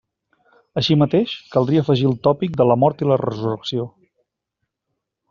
Així mateix, caldria afegir el tòpic de la mort i la resurrecció.